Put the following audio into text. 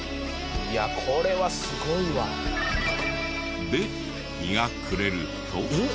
「いやこれはすごいわ」で日が暮れると。